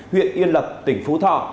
huyện yên lập tp thọ